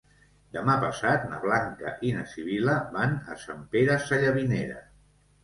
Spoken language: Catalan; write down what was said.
Demà passat na Blanca i na Sibil·la van a Sant Pere Sallavinera.